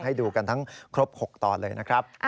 ให้ดูกันทั้งครบ๖ตอนเลยนะครับ